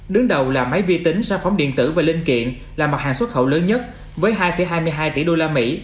đứng đầu là máy vi tính xa phóng điện tử và linh kiện là mặt hàng xuất khẩu lớn nhất với hai hai mươi hai tỷ usd